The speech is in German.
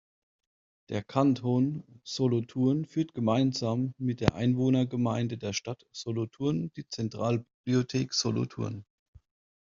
Der Kanton Solothurn führt gemeinsam mit der Einwohnergemeinde der Stadt Solothurn die Zentralbibliothek Solothurn.